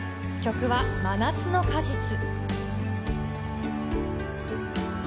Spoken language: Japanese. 曲は真夏の果実。